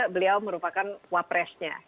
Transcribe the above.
beliau merupakan wapresnya